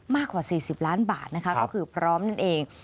มากกว่า๔๐ล้านบาทนะคะก็คือพร้อมนั่นเอง